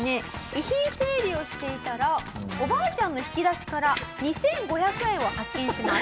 遺品整理をしていたらおばあちゃんの引き出しから２５００円を発見します。